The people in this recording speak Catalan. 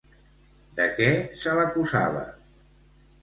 De què se l'acusava?